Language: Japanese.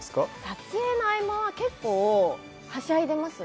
撮影の合間は結構はしゃいでます